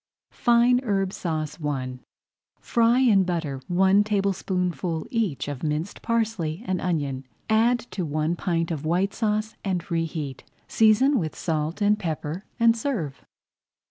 FINE HERB SAUCE I Fry in butter one tablespoonful each of minced parsley and onion. Add to one pint of White Sauce and reheat. Season with salt and pepper, and serve.